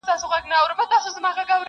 څه د بمونو څه توپونو په زور ونړیږي!